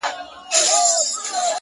اوبه پر لوړه وهه، کته په خپله ځي.